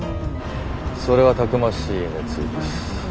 それはたくましい熱意です。